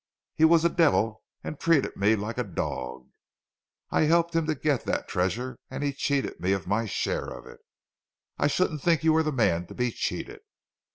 He was a devil and treated me like a dog. I helped him to get that treasure and he cheated me of my share of it." "I shouldn't think you were the man to be cheated."